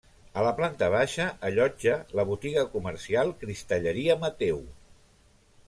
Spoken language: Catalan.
A la planta baixa allotja la botiga comercial Cristalleria Mateu.